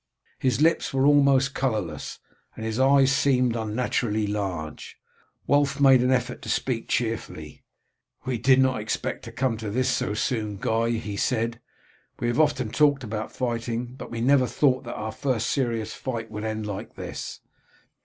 His lips were almost colourless, and his eyes seemed unnaturally large. Wulf made an effort to speak cheerfully. "We did not expect to come to this so soon, Guy," he said. "We have often talked about fighting, but we never thought that our first serious fight would end like this."